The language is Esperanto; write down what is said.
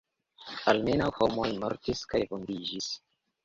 Almenaŭ homoj mortis kaj vundiĝis.